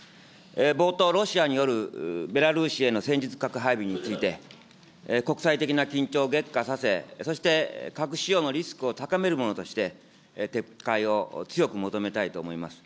冒頭、ロシアによるベラルーシの戦術核配備について、国際的な緊張を激化させ、そして核使用のリスクを高めるものとして、撤回を強く求めたいと思います。